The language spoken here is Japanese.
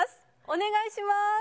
お願いします。